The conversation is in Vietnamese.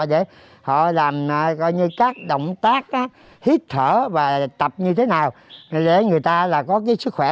để họ làm coi như các động tác hít thở và tập như thế nào để người ta là có cái sức khỏe